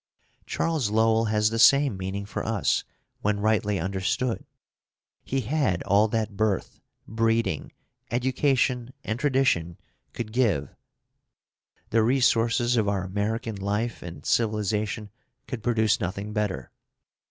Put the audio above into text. Charles Lowell has the same meaning for us when rightly understood. He had all that birth, breeding, education, and tradition could give. The resources of our American life and civilization could produce nothing better.